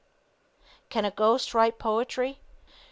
Can a ghost write poetry?